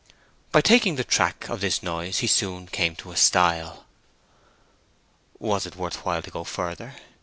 By taking the track of this noise he soon came to a stile. Was it worth while to go farther?